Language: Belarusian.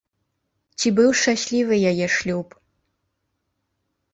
Ці быў шчаслівы яе шлюб?